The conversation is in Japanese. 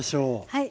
はい。